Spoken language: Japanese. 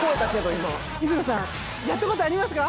今水野さんやったことありますか？